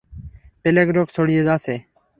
প্লেগ-রোগ ছড়িয়ে আছে।